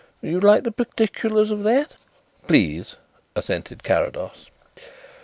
You would like the particulars of that?" "Please," assented Carrados.